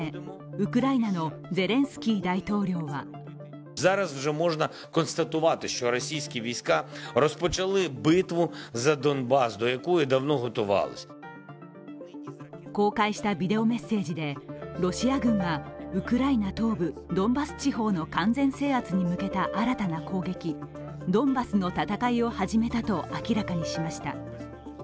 ウクライナのゼレンスキー大統領は公開したビデオメッセージで、ロシア軍はウクライナ東部、ドンバス地方の完全制圧に向けた新たな攻撃ドンバスの戦いを始めたと明らかにしました。